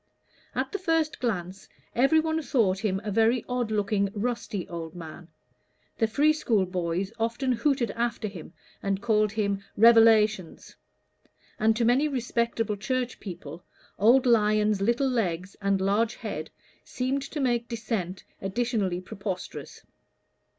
At the first glance, every one thought him a very odd looking rusty old man; the free school boys often hooted after him, and called him "Revelations"; and to many respectable Church people, old Lyon's little legs and large head seemed to make Dissent additionally preposterous.